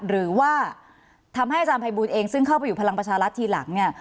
หรือว่าทำให้อาจารย์ภัยบูลเองซึ่งเข้าไปอยู่พลังประชารัฐทีหลังเนี่ย